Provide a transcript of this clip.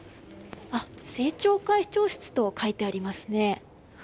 政調会長室と書いてありますね。